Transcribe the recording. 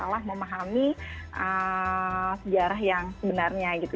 malah memahami sejarah yang sebenarnya gitu